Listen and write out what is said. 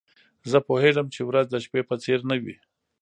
زه پوهیږم چي ورځ د شپې په څېر نه وي.